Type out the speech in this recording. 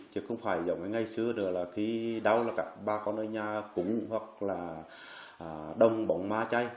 chứ không phải giống như ngày xưa khi đau bà con ở nhà cũng đông bóng ma cháy